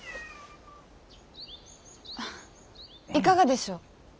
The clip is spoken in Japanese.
いかがでしょう？